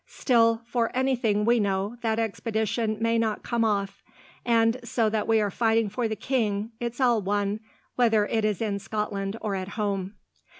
Still, for anything we know that expedition may not come off, and, so that we are fighting for the king, it's all one whether it is in Scotland or at home."